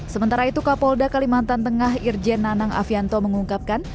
sementara itu kapolda kalimantan tengah irjen nanang afianto mengungkapkan